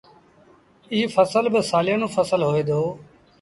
ايٚ ڦسل با سآليآݩون ڦسل هوئي دو۔